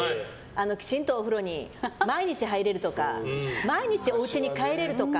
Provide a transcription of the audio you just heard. きちんとお風呂に毎日入れるとか毎日おうちに帰れるとか。